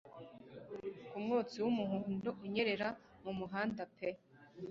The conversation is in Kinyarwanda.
Ku mwotsi w'umuhondo unyerera mu muhanda pe